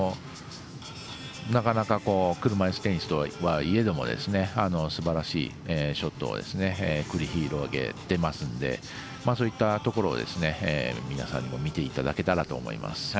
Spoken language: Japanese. なかなか、車いすテニスとはいえどもすばらしいショットを繰り広げてますのでそういったところを皆さんも見ていただけたらと思います。